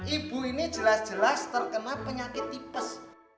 ibu ini jelas jelas terkena penyakit tipes